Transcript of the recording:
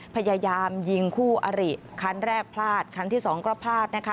พยายามยิงคู่อริคันแรกพลาดคันที่สองก็พลาดนะคะ